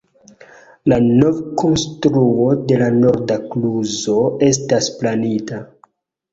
La novkonstruo de la norda kluzo estas planita.